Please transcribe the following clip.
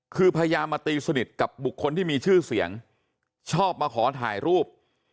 คือพยายามมาตีสนิทกับบุคคลที่มีชื่อเสียงชอบมาขอถ่ายรูป